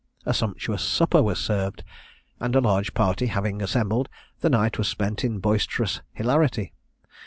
A sumptuous supper was served, and a large party having assembled, the night was spent in boisterous hilarity.